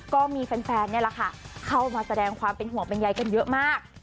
ก็มีแฟนเข้ามาแสดงความเป็นหัวเป็นใยกันเยอะมาก